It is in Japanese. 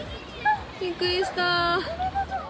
びっくりした。